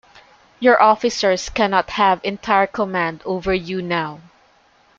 Your officers cannot have entire command over you now.